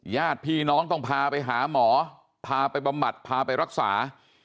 ญาติพี่น้องต้องพาไปหาหมอพาไปบำบัดพาไปรักษา